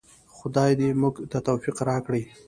خدای دې موږ ته توفیق راکړي